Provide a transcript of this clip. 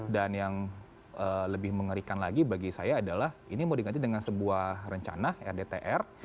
dan yang lebih mengerikan lagi bagi saya adalah ini mau diganti dengan sebuah rencana rdtr